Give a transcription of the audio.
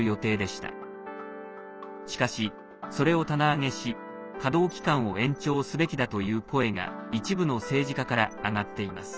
しかし、それを棚上げし稼働期間を延長すべきだという声が一部の政治家から上がっています。